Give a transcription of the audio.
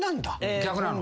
逆なの。